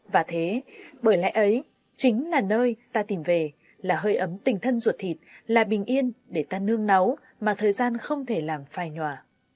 và thế bởi lẽ ấy chính là nơi ta tìm về là hơi ấm tình thân ruột thịt là bình yên để ta nương nấu mà thời gian không thể làm phai nhòa